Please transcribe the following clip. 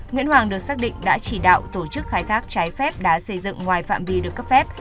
nguyễn hoàng được xác định đã chỉ đạo tổ chức khai thác trái phép đá xây dựng ngoài phạm vi được cấp phép